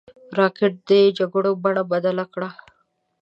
راکټ د جګړو بڼه بدله کړه